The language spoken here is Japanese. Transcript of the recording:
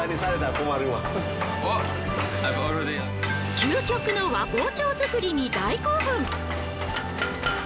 究極の和包丁作りに大興奮。